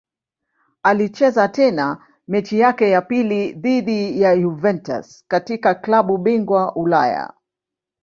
Alicheza tena mechi yake ya pili dhidi ya Juventus katika klabu bingwa Ulaya.